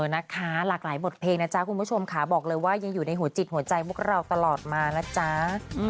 นะคะหลากหลายบทเพลงนะจ๊ะคุณผู้ชมค่ะบอกเลยว่ายังอยู่ในหัวจิตหัวใจพวกเราตลอดมานะจ๊ะ